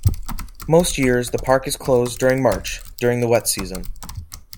Most years the park is closed during March, during the wet season.